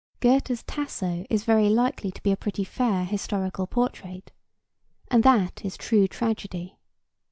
Goethe's Tasso is very likely to be a pretty fair historical portrait, and that is true tragedy.